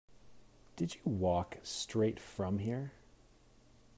Did you walk straight from here?